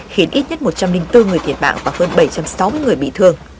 khiến ít nhất một trăm linh bốn người thiệt mạng và hơn bảy trăm sáu mươi người bị thương